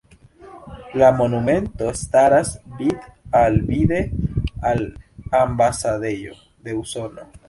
La monumento staras vid-al-vide al ambasadejo de Usono.